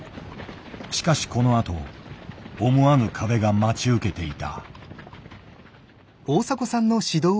しかしこのあと思わぬ壁が待ち受けていた。